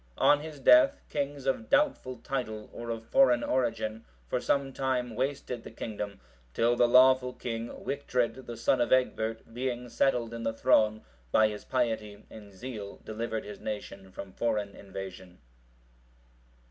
On his death, kings of doubtful title, or of foreign origin,(737) for some time wasted the kingdom, till the lawful king, Wictred,(738) the son of Egbert, being settled in the throne, by his piety and zeal delivered his nation from foreign invasion.